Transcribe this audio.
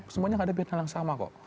semuanya menghadapi hal yang sama kok